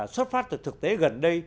xuất phát từ thực tế gần đây